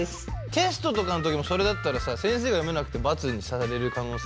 テストとかの時もそれだったらさ先生が読めなくてバツにされる可能性。